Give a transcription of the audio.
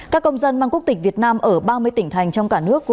các công dân mang quốc tịch việt nam ở ba mươi tỉnh thành trong cả nước